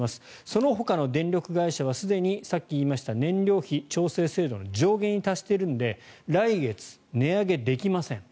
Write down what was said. そのほかの電力会社はすでにさっき言いました燃料費調整制度の上限に達しているので来月、値上げできません。